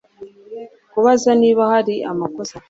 Kubaza niba hari amakosa